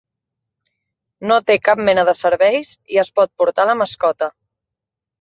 No té cap mena de serveis i es pot portar la mascota.